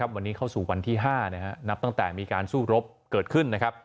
วันนี้เข้าสู่วันที่๕นับตั้งแต่สู้รบเกิดขึ้น